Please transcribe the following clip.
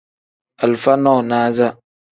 Alifa nonaza.